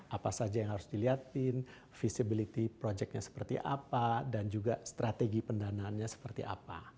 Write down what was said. apa saja yang harus dilihatin visibility projectnya seperti apa dan juga strategi pendanaannya seperti apa